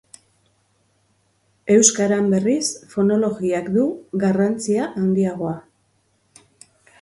Euskaran, berriz, fonologiak du garrantzia handiagoa.